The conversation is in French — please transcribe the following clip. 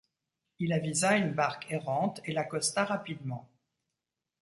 Il avisa une barque errante et l’accosta rapidement.